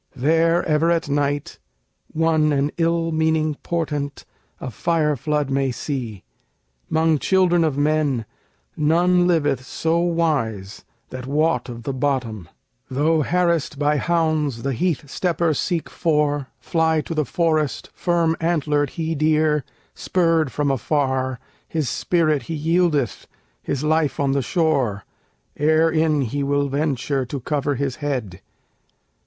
There ever at night one an ill meaning portent, A fire flood may see; 'mong children of men None liveth so wise that wot of the bottom; Though harassed by hounds the heath stepper seek for, Fly to the forest, firm antlered he deer, Spurred from afar, his spirit he yieldeth, His life on the shore, ere in he will venture To cover his head.